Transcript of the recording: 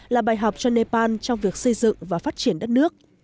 là bài học cho nepal trong việc xây dựng và phát triển đất nước